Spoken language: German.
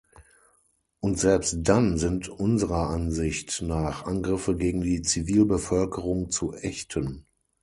Und selbst dann sind unserer Ansicht nach Angriffe gegen die Zivilbevölkerung zu ächten.